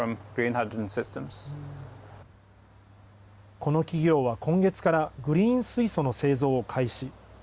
この企業は今月からグリーン水素の製造を開始。